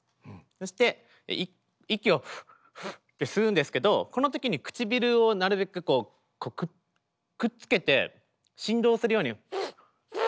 そして息を「フッフッ」って吸うんですけどこのときに唇をなるべくくっつけて振動するように。